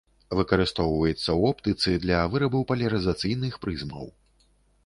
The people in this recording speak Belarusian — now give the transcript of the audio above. Выкарыстоўваецца ў оптыцы для вырабу палярызацыйных прызмаў.